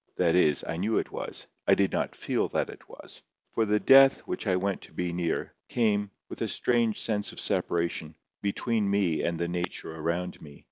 That is, I knew it was; I did not feel that it was. For the death which I went to be near, came, with a strange sense of separation, between me and the nature around me.